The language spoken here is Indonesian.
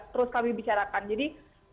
terus kami bicarakan jadi